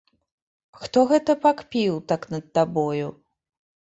Хто гэта пакпіў так над табою?